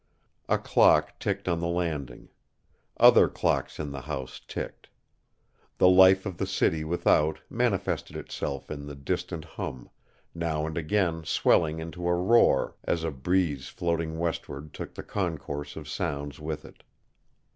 A clock ticked on the landing; other clocks in the house ticked; the life of the city without manifested itself in the distant hum, now and again swelling into a roar as a breeze floating westward took the concourse of sounds with it.